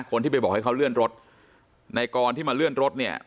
คนที่ไปบอกให้เขาเลื่อนรถในกรที่มาเลื่อนรถเนี่ย